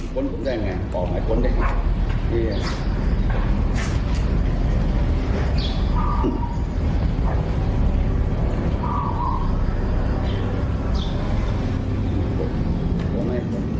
กลับไปเลยบ้าง